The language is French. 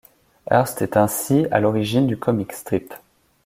Hearst est ainsi à l'origine du comic strip.